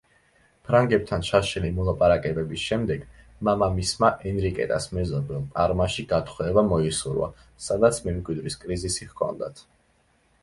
ფრანგებთან ჩაშლილი მოლაპარაკებების შემდეგ, მამამისმა ენრიკეტას მეზობელ პარმაში გათხოვება მოისურვა, სადაც მემკვიდრის კრიზისი ჰქონდათ.